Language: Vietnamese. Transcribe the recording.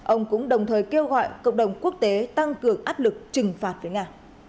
ông cũng đồng thời kêu gọi cộng đồng quốc tế tăng cường áp lực trừng phạt với nga